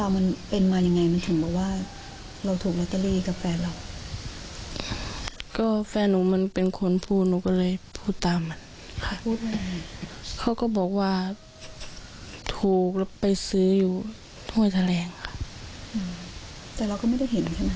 ด้วยแม่หนุ่มแรงของข้าเป็นตัวลูกของพระบทนี่